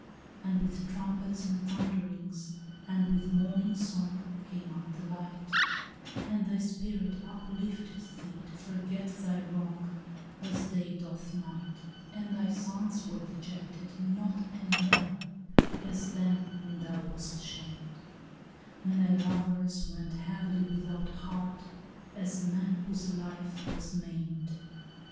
And with trumpets and thunderings and with morning song Came up the light; And thy spirit uplifted thee to forget thy wrong As day doth night. And thy sons were dejected not any more, as then When thou wast shamed; When thy lovers went heavily without heart, as men Whose life was maimed.